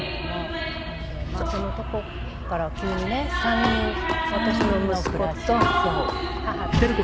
なのでそのとこから急にね３人私の息子と母と私の。